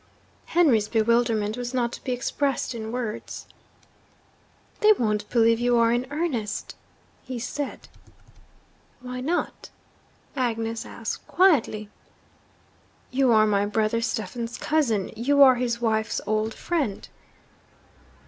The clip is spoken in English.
Henry's bewilderment was not to be expressed in words. 'They won't believe you are in earnest,' he said. 'Why not?' Agnes asked quietly. 'You are my brother Stephen's cousin; you are his wife's old friend.'